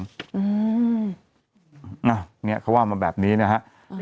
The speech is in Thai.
เขาว่ามาแบบนี้นะฮะ